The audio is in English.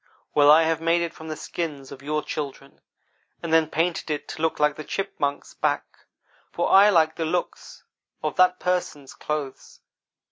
"'Well, I have made it from the skins of your children, and then painted it to look like the Chipmunk's back, for I like the looks of that Person's clothes.